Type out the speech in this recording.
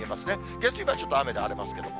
月曜日はちょっと雨がありますけれども。